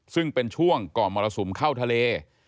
ซึ่งเป็นช่วงก่อนมรสุมเข้าทะเล